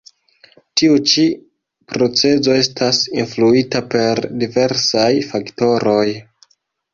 Tiu ĉi procezo estas influita per diversaj faktoroj.